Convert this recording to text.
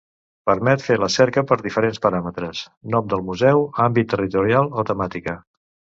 Permet fer la cerca per diferents paràmetres: nom del museu, àmbit territorial o temàtica.